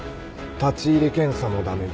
立入検査も駄目。